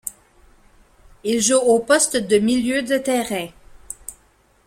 Il joue au poste de milieu de terrain.